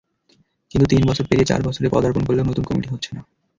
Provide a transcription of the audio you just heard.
কিন্তু তিন বছর পেরিয়ে চার বছরে পদার্পণ করলেও নতুন কমিটি হচ্ছে না।